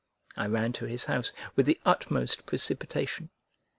I ran to his house with the utmost precipitation.